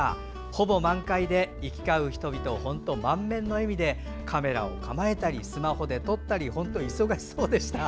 ほぼ満開で行き交う人満面の笑みでカメラを構えたりスマホで撮ったり忙しそうでした。